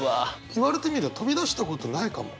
言われてみりゃ飛び出したことないかも。